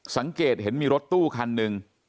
สังเกตเห็นมีรถตู้คันหนึ่ง